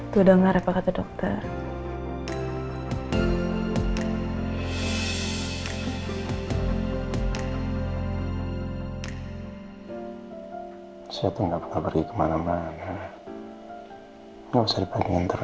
tuh dengar apa kata dokter